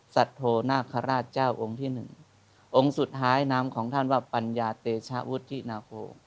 สัทโทนาคาราชเจ้าองค์ที่หนึ่งองค์สุดท้ายนามของท่านว่าปัญญาเตชะวุฒินาโค